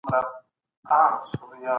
حماقت د بشریت ستره ستونزه ده.